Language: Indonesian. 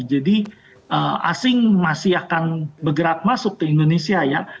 jadi asing masih akan bergerak masuk ke indonesia ya